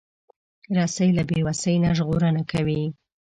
رسۍ له بیوسۍ نه ژغورنه کوي.